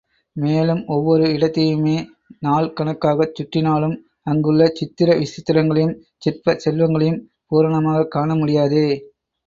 மேலும் ஒவ்வொரு இடத்தையுமே நாள் கணக்காகச் சுற்றினாலும் அங்குள்ள சித்திர விசித்திரங்களையும் சிற்பச் செல்வங்களையும் பூரணமாகக் காண முடியாதே.